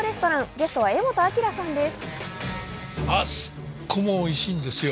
ゲストは柄本明さんです。